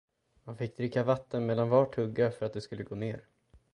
Man fick dricka vatten mellan var tugga, för att det skulle gå ner.